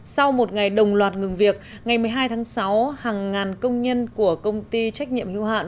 sau một ngày đồng loạt ngừng việc ngày một mươi hai tháng sáu hàng ngàn công nhân của công ty trách nhiệm hữu hạn